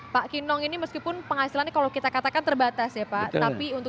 pak kinong ini meskipun penghasilannya kalau kita katakan terbatas ya pak